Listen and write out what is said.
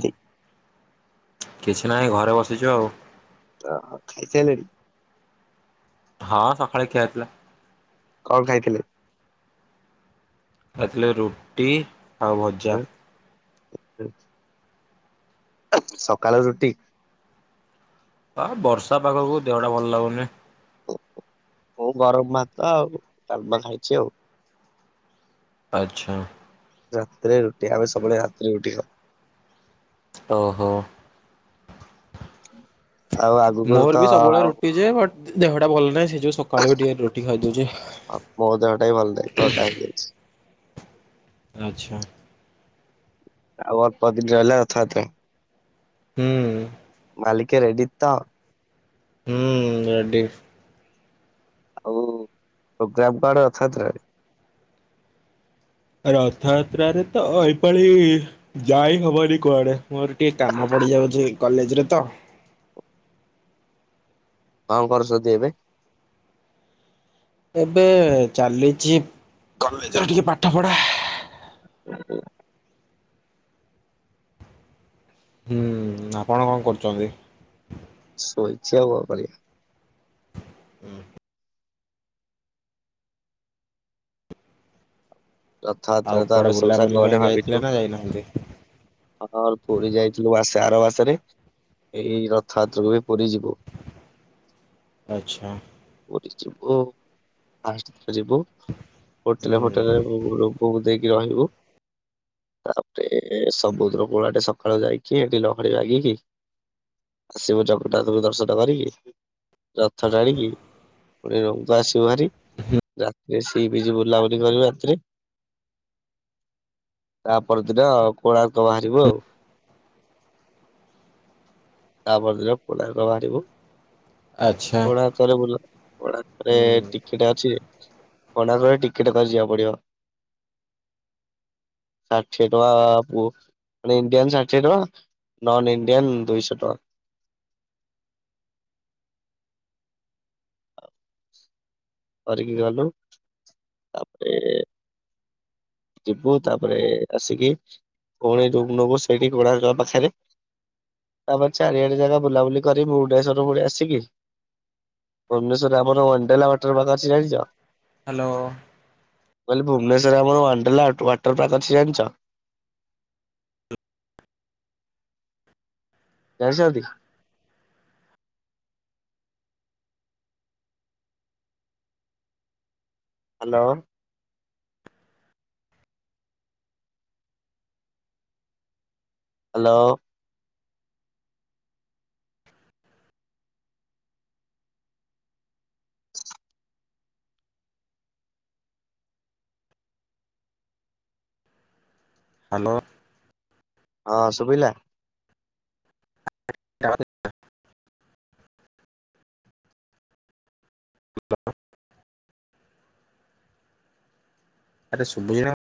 ଚି। କିଛି ନାହିଁ ଘରେ ବସିଛୁ ଆଉ। ଓହୋ ଖାଇ ସାଇଲେଣୀ। ହଁ ସକାଳେ ଖିଆଇଥିଲା। କଣ ଖାଇଥିଲେ? ତାଥିଲା ରୁଟି ଆଉ ଭଜା। ସକାଳ ରୁଟି ଆ ବର୍ଷା ପାଗ କୁ ଦେହଟା ଭଲ ଲାଗୁନି। ହଉ ଗରମ ଭାତ ଆଉ ଡାଲମା ଖାଇଛି ଆଉ। ଆଚ୍ଛା। ରାତିରେ ରୁଟି, ଆମେ ସବୁବେଳେ ରାତିରେ ରୁଟି ଖାଉ। ଓହୋ। ଆଉ ଆଗକୁ ରୁ ମୋର ତ ବି ସବୁବେଳେ ଆଉ ରୁଟି ଯେ ବଟ୍ ଦେହଟା ଭଲ ନାହିଁ ସେ ଯୋଉ ସକାଳୁ ଟିକେ ରୁଟି ଖାଇଦୋଉଚି। ଆଉ ମୋ ଦେହଟା ଭଲ ନାହି ଥଣ୍ଡା ହେଇଯାଇଚି। ଆଚ୍ଛା। ଆଉ ଅଳ୍ପ ଦିନି ରହିଲା ରଥଯାତ୍ରା। ହୁଁ। ମାଲିକେ ରେଡି ତ। ହୁଁ ରେଡି। ଆଉ ପ୍ରୋଗ୍ରାମ କୁଆଡେ ରଥଯାତ୍ରା ରେ? ରଥଯାତ୍ରା ରେ ତ ଏଇପାଳି ଯାଇ ହେବନି କୁଆଡ଼େ। ମୋର ଟିକେ କାମ ପଡ଼ିଯାଉଛି, କଲେଜରେ ତ। କଣ କରୁଛନ୍ତିଛନ୍ତିି, ଏବେ? ଏବେ ଚାଲିଛି। କଲେଜରେ ଟିକେ ପାଠ ପଢା। ହ ହ। ହୁଁ, ଆପଣ କଣ କରୁଛନ୍ତି? ଶୋଇଛି ଆଉ କରିବି? ହୁଁ। ରଥ ଯାତ୍ରା ଆଉ ରେ ତ କୁଆଡ଼େ ଆମେ ସବୁ ସାଙ୍ଗ ବୁଲାବୁଲି ପାଇଁ ମାନେ ଯାଇଥିଲେ ଭାବିଛୁ। ନା ଯାଇନାହାନ୍ତି? ହଁ ପୁରୀ ଯାଇଥିଲୁ ମାସେରେ, ଆର ମାସରେ ଏଇ ରଥଯାତ୍ରକୁ ବି ପୁରୀ ଯିବୁ। ଆଚ୍ଛା। ପୁରୀ ଯିବୁ ଫାଷ୍ଟ ଯିବୁ। ହୋଟେଲ ଫୋଟେଲ ହୁଁ ରେ ଲୋକକୁ ଦେଇକି ରହିବୁ। ତାପରେ ସମୁଦ୍ର କୂଳାଟେ ସକାଳୁ ଯାଇକି ଏଠି ଲହଡି ଭାଙ୍ଗିକି। ଆସିବୁ ଜଗନ୍ନାଥଙ୍କୁ ଦର୍ଶନ କରିକି। ରଥ ଟାଣିକି ପୁଣି ରୁମ୍ କୁ ଆସିବ ହାରି। ରାତିରେ ସି ବି ଜି ବୁଲାବୁଲି କରିବୁ ରାତିରେ। ତା ପରଦିନ କୋଣାର୍କ ବାହାରିବୁ, ଆଉ। ତାପର ଦିନ କୋଣାର୍କ ବାହାରିବୁ। ଆଚ୍ଛା କୋଣାର୍କରେ ବୁଲୁ କୋଣାର୍କରେ ହୁଁ ଟି ଟିକେଟ ଅଛି, କୋଣାର୍କରେ ଟିକେଟ କରି ଯିବାକୁ ପଡିବ। ଷାଠିଏ ଟଙ୍କା ପୁଅ ମାନେ, ଇଣ୍ଡିଆନ୍ ଷାଠିଏ ଟଙ୍କା। ନନ୍ ଇଣ୍ଡିଆନ ଦୁଇଶହ ଟଙ୍କା। ହଁ। କରିକି ଗଲୁ ତାପରେ ଯିବୁ ତାପରେ ଆସିକି, ପୁଣି ରୁମ ନବୁ ସେଇଠି କୋଣାର୍କ ପାଖରେ। ତାପରେ ଚାରିଆଡେ ଜାଗା ବୁଲାବୁଲି କରିବୁ ଡେସ ପତର ଫୁଣି ଆସିକି। ଭୁବନେଶ୍ୱରରେ, ଆମର ୱାଣ୍ଡେଲା ୱାଟର ପାର୍କ ଅଛି ଜାଣିଛ? ହ୍ୟାଲୋ। କହିଲି ଭୁବନେଶ୍ଵରରେ ଆମର ୱାଣ୍ଡଲା ୱାଟର ପାର୍କ ଅଛି ଜାଣିଛ? ଜାଣିଛନ୍ତି? ହ୍ୟାଲୋ। ହ୍ୟାଲୋ। ହ ହ୍ୟାଲୋ। ହଁ, ଶୁଭିଲା। [unintelligible] ହାଲୋ। ଆରେ ଶୁଭୁଛିନା